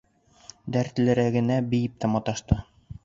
Дәртлерәгенә бейеп тә маташты.